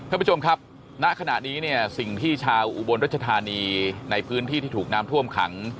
ท่านผู้ชมครับณขณะนี้เนี่ยสิ่งที่ชาวอุบลรัชธานีในพื้นที่ที่ถูกน้ำท่วมขัง